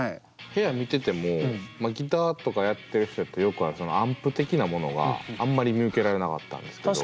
部屋見ててもギターとかやってる人やったらよくあるアンプ的なものがあんまり見受けられなかったんですけど。